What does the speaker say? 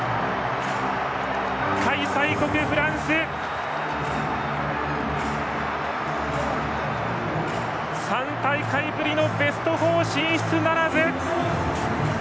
開催国フランス３大会ぶりのベスト４進出ならず。